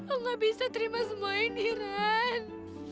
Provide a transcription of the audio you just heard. aku gak bisa terima semuanya nih ran